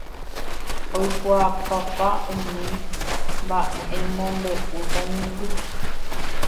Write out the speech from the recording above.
oikuaapápa umi mba'emombe'u kañymby